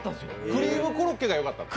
クリームコロッケがよかったの？